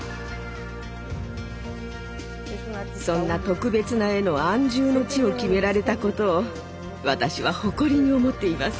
そんな特別な絵の安住の地を決められたことを私は誇りに思っています。